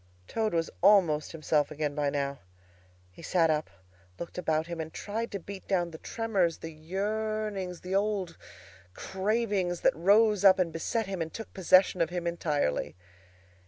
Toad was almost himself again by now. He sat up, looked about him, and tried to beat down the tremors, the yearnings, the old cravings that rose up and beset him and took possession of him entirely.